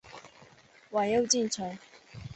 晚又进城。